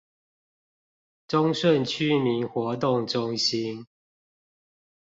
忠順區民活動中心